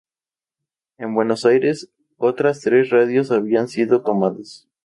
En Buenos Aires otras tres radios habían sido tomadas.